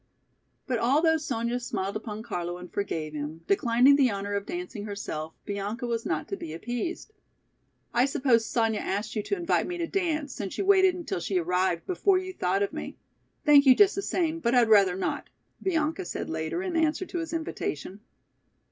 But although Sonya smiled upon Carlo and forgave him, declining the honor of dancing herself, Bianca was not to be appeased. "I suppose Sonya asked you to invite me to dance, since you waited until she arrived before you thought of me. Thank you just the same but I'd rather not," Bianca said later in answer to his invitation.